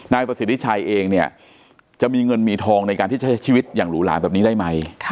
ประสิทธิชัยเองเนี่ยจะมีเงินมีทองในการที่ใช้ชีวิตอย่างหรูหลาแบบนี้ได้ไหม